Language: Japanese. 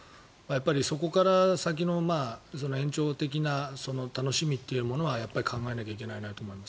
そこから先に延長的な楽しみというものは考えなきゃいけないなと思います。